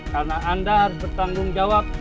karena anda harus bertanggung jawab